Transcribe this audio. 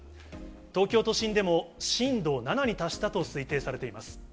東京都心でも震度７に達したと推定されています。